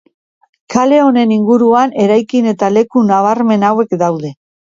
Kale honen inguruan eraikin eta leku nabarmen hauek daude.